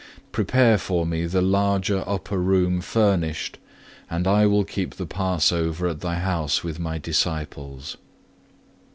Prepare for Me the larger upper room furnished, and I will keep the Passover at thy house with my disciples.